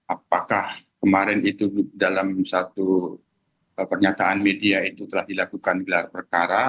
apakah kemarin itu dalam satu pernyataan media itu telah dilakukan gelar perkara